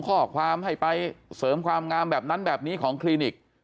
ข้อความให้ไปเสริมความงามแบบนั้นแบบนี้ของคลินิก